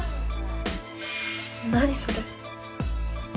「何それ？」。